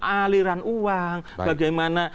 aliran uang bagaimana